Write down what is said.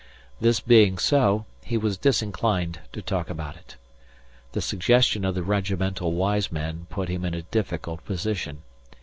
This being so, he was disinclined to talk about it. The suggestion of the regimental wise men put him in a difficult position.